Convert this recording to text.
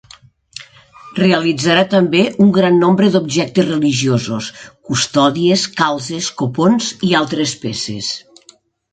Realitzà també un gran nombre d'objectes religiosos: custòdies, calzes, copons i altres peces.